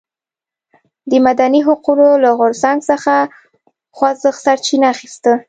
د مدني حقونو له غورځنګ څخه خوځښت سرچینه اخیسته.